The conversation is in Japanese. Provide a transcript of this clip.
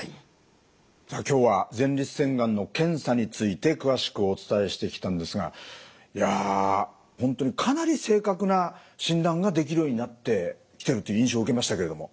さあ今日は前立腺がんの検査について詳しくお伝えしてきたんですがいや本当にかなり正確な診断ができるようになってきてるっていう印象受けましたけれども。